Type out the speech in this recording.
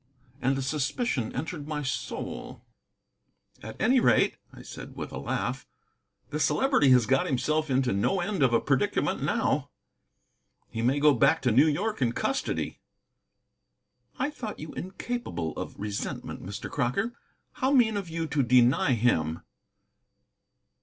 And a suspicion entered my soul. "At any rate," I said, with a laugh, "the Celebrity has got himself into no end of a predicament now. He may go back to New York in custody." "I thought you incapable of resentment, Mr. Crocker. How mean of you to deny him!"